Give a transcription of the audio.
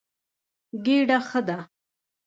ګېډه ښه ده.